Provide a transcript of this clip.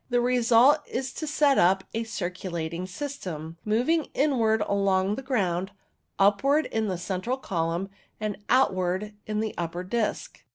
The result is to set up a circulating system, moving inwards along the ground, upwards in the central column, and out wards in the upper disc.